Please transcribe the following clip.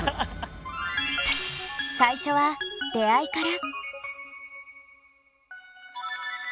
最初は出会いから。